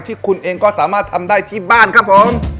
ที่คุณเองก็สามารถทำได้ที่บ้านครับผม